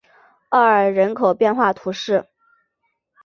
奥尔人口变化图示